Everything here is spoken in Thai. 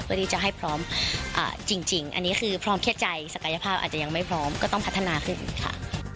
เพื่อที่จะให้พร้อมจริงอันนี้คือพร้อมแค่ใจศักยภาพอาจจะยังไม่พร้อมก็ต้องพัฒนาขึ้นอีกค่ะ